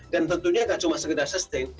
dan tentunya gak cuma sekedar sustain